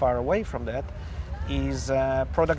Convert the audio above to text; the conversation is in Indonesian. adalah pembangunan produk